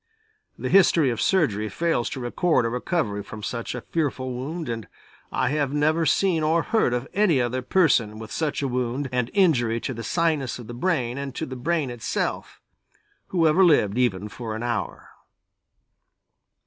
The history of surgery fails to record a recovery from such a fearful wound and I have never seen or heard of any other person with such a wound, and injury to the sinus of the brain and to the brain itself, who lived even for an hour.